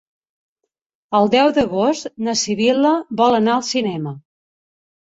El deu d'agost na Sibil·la vol anar al cinema.